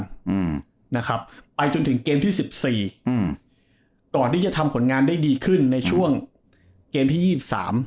อืมนะครับไปจนถึงเกมที่สิบสี่อืมก่อนที่จะทำผลงานได้ดีขึ้นในช่วงเกมที่ยี่สิบสาม